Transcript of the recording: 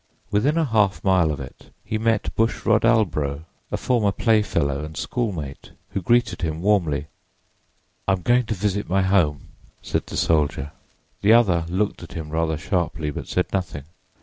Within a half mile of it he met Bushrod Albro, a former playfellow and schoolmate, who greeted him warmly. "I am going to visit my home," said the soldier. The other looked at him rather sharply, but said nothing.